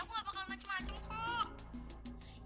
aku gak bakal macem macem kok